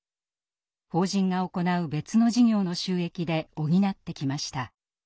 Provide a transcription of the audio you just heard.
法人が行う別の事業の収益で補ってきました。